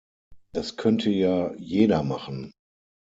Das könnte ja jeder machen!